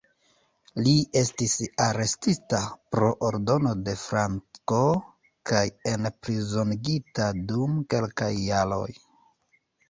Li estis arestita pro ordono de Franco kaj enprizonigita dum kelkaj jaroj.